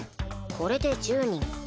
これで１０人か。